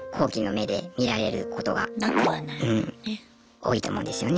多いと思うんですよね。